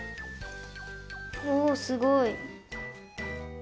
おすごい！